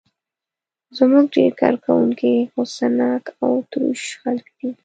زموږ ډېر کارکوونکي غوسه ناک او تروش خلک دي.